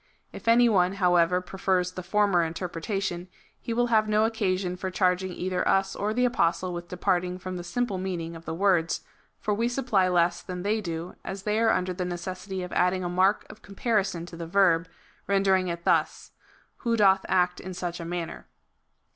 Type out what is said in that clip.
If any one, however, prefers the former inter pretation, he will liave no occasion for charging either us or the Apostle with departing from the simple meaning of the words, for we supply less than they do, as they are under the necessity of adding a mark of comparison to the verb, ren dering it thus :" who doth act in such a manner."